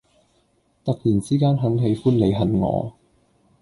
突然之間很喜歡你恨我